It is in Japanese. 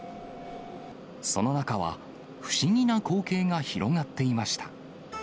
その中は、不思議な光景が広がっていました。